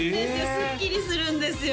すっきりするんですよ